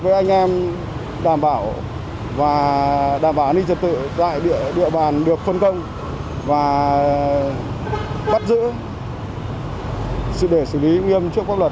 với anh em đảm bảo và đảm bảo an ninh trật tự tại địa bàn được phân công và bắt giữ để xử lý nghiêm trước pháp luật